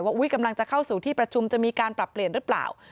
กำลังจะเข้าสู่ที่ประชุมจะมีการปรับเปลี่ยนหรือเปล่า